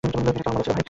এটা কেমন মজার ছিল?